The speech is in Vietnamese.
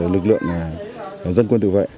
lực lượng dân quân tự vệ